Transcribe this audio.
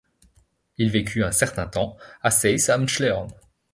Il vécut un certain temps à Seis am Schlern.